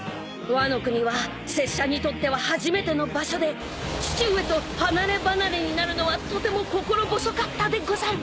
［ワノ国は拙者にとっては初めての場所で父上と離れ離れになるのはとても心細かったでござる］